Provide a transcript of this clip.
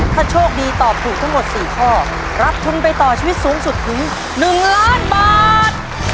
ถ้าโชคดีตอบถูกทั้งหมด๔ข้อรับทุนไปต่อชีวิตสูงสุดถึง๑ล้านบาท